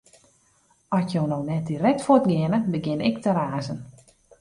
At jo no net direkt fuort geane, begjin ik te razen.